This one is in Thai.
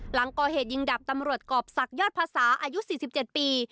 หลังก่อเหตุยิงดับตำรวจกรอบศักดิยอดภาษาอายุ๔๗ปี